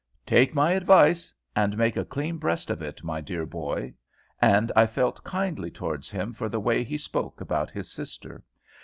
"Take my advice, and make a clean breast of it, my dear boy;" and I felt kindly towards him for the way he spoke about his sister.